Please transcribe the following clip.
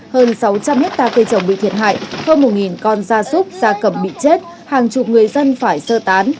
hơn sáu trăm linh hectare cây trồng bị thiệt hại hơn một con da súc da cầm bị chết hàng chục người dân phải sơ tán